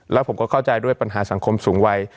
แล้วผมก็เข้าใจด้วยปัญหาสังคมสูงวัย